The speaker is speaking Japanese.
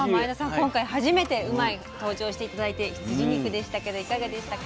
今回初めて「うまいッ！」登場して頂いて羊肉でしたけどいかがでしたか？